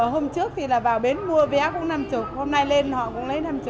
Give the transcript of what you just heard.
hôm trước thì là vào bến mua vé cũng năm mươi hôm nay lên họ cũng lấy năm triệu